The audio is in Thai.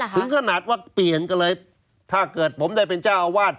ถึงขนาดว่าเปลี่ยนกันเลยถ้าเกิดผมได้เป็นเจ้าอาวาส